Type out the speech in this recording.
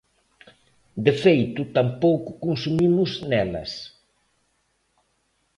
De feito, tampouco consumimos nelas.